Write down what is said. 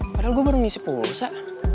padahal gue baru mengisi pulsa